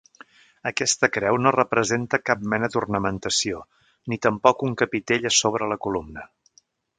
Aquesta creu no presenta cap mena d'ornamentació, ni tampoc un capitell a sobre la columna.